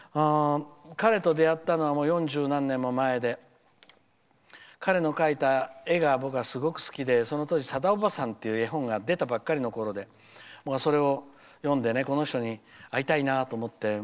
彼と出会ったのはもう四十何年も前で彼の描いた絵が僕はすごい好きでそのころは「さだおばさん」っていう絵本が出たばかりのころでそれを読んでこの人に会いたいなと思って。